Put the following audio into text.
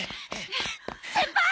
先輩！